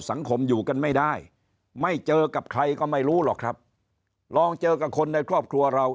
สังคมอยู่กันไม่ได้ไม่เจอกับใครก็ไม่รู้หรอกครับลองเจอกับคนในครอบครัวเรา